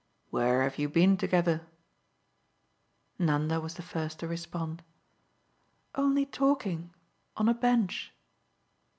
"Where have you been together?" Nanda was the first to respond. "Only talking on a bench."